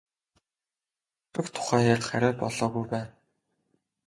Хөгшрөх тухай ярих арай болоогүй байна.